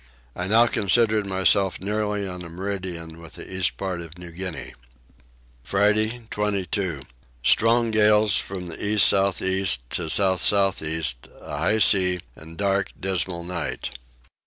I now considered myself nearly on a meridian with the east part of New Guinea. Friday 22. Strong gales from east south east to south south east, a high sea, and dark dismal night.